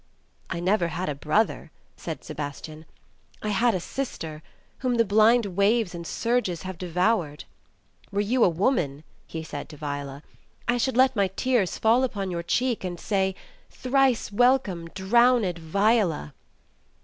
"I never had a brother," said Sebastian. "I had a sister, whom the blind waves and surges have devoured." "Were you a woman," he said to Viola, "I should let my tears fall upon your cheek, and say, 'Thrice welcome, drowned Viola !'